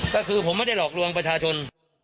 ก็คือผมไม่ได้หลอกลวงประชาชน